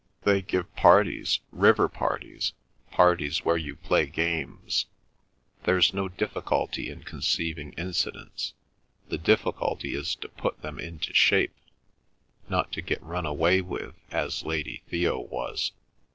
They give parties, river parties, parties where you play games. There's no difficulty in conceiving incidents; the difficulty is to put them into shape—not to get run away with, as Lady Theo was.